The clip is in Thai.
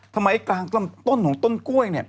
ทำไมต้นกลางต้นในต้นกล้วย